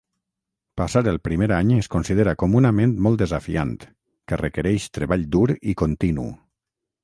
Passar el primer any es considera comunament molt desafiant, que requereix treball dur i continu.